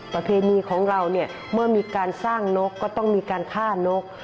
ประเพณีของเราเนี่ยเมื่อมีการสร้างนกก็ต้องมีการฆ่านก